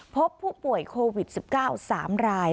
พบผู้ป่วยโควิด๑๙๓ราย